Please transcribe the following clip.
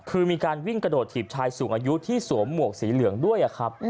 คือมีการวิ่งกระโดดถีบชายสูงอายุที่สวมหมวกสีเหลืองด้วยครับ